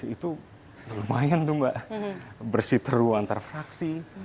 itu lumayan tuh mbak bersih teru antar fraksi